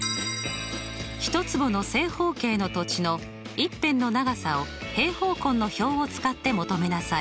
１坪の正方形の土地の一辺の長さを平方根の表を使って求めなさい。